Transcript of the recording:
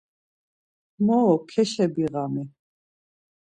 Moro keşebiğami?